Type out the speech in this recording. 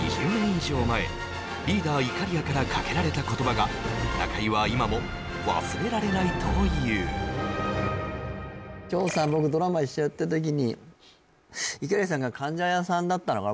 以上前リーダーいかりやからかけられた言葉が中居は今も忘れられないという長さん僕ドラマ一緒やってる時にいかりやさんが患者さんだったのかな